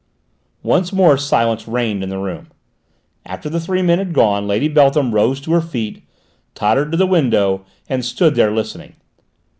Once more silence reigned in the room. After the three men had gone, Lady Beltham rose to her feet, tottered to the window, and stood there listening.